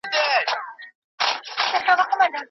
رسول الله د حق د غوښتونکي ملګری و.